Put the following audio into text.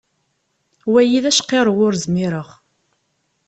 Wagi d acqirrew ur zmireɣ.